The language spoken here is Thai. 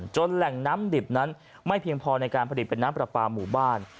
แหล่งน้ำดิบนั้นไม่เพียงพอในการผลิตเป็นน้ำปลาปลาหมู่บ้าน